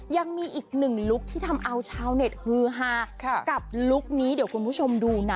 ยังมีอีกหนึ่งลุคที่ทำเอาชาวเน็ตฮือฮากับลุคนี้เดี๋ยวคุณผู้ชมดูนะ